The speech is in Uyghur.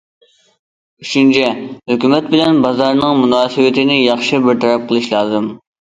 ئۈچىنچى، ھۆكۈمەت بىلەن بازارنىڭ مۇناسىۋىتىنى ياخشى بىر تەرەپ قىلىش لازىم.